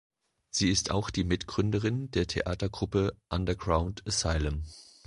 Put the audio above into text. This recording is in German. Sie ist auch die Mitgründerin der Theatergruppe Underground Asylum.